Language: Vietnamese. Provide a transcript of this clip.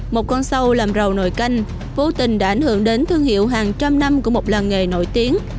một con sâu làm rầu nồi canh vô tình đã ảnh hưởng đến thương hiệu hàng trăm năm của một làng nghề nổi tiếng